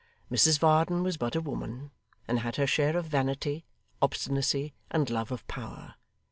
Mrs Varden was but a woman, and had her share of vanity, obstinacy, and love of power.